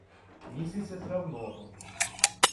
Місяця травного